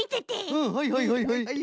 うんはいはいはいはいはい。